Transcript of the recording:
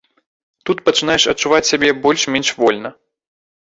Тут пачынаеш адчуваць сябе больш-менш вольна.